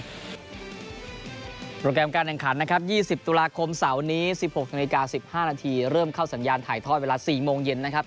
โปรแกรมการอังคารนะครับ๒๐ตุลาคมเสาร์นี้๑๖น๑๕นเริ่มเข้าสัญญาณถ่ายทอดเวลา๔โมงเย็นนะครับ